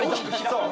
そう。